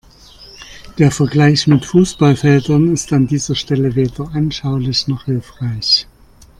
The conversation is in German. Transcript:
Der Vergleich mit Fußballfeldern ist an dieser Stelle weder anschaulich noch hilfreich.